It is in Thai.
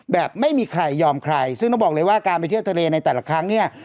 แบบไม่มีใครยอมใครซึ่งต้องบอกเลยว่าการไปเที่ยวทะเลในแต่ละครั้งเนี่ย